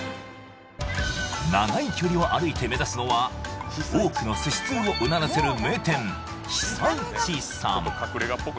長い距離を歩いて目指すのは多くの寿司通をうならせる名店久いちさん